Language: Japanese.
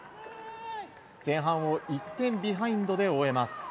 前半を１点ビハインドで終えます。